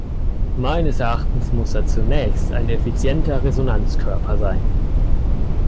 Meines Erachtens muss er zunächst ein effizienter Resonanzkörper sein.